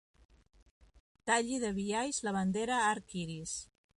Talli de biaix la bandera arc-iris.